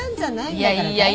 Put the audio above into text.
いやいや。